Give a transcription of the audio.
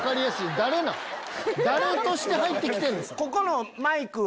誰として入って来てんですか？